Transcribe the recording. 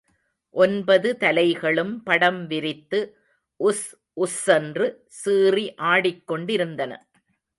ஒன்பது தலைகளும் படம் விரித்து உஸ், உஸ் ஸென்று சீறி ஆடிக்கொண்டிருந்தன.